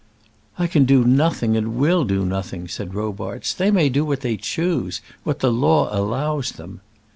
"I can do nothing, and will do nothing," said Robarts. "They may do what they choose what the law allows them."